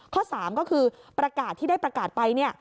ข้อ๓ก็คือประกาศที่ได้ประกาศไป